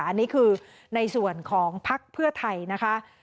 อันนี้คือในส่วนของพักเพื่อไทยนะคะ